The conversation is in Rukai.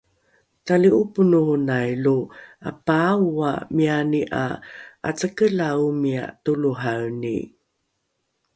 tali’oponohonai lo “apaaoa” miani ’a ’acakelae omia toloraeni